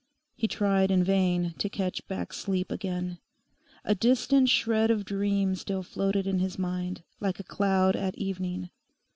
He tried in vain to catch back sleep again. A distant shred of dream still floated in his mind, like a cloud at evening.